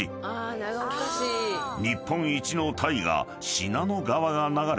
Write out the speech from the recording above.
［日本一の大河信濃川が流れ